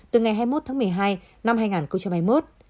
từ ngày hai mươi một tháng một mươi hai năm hai nghìn hai mươi một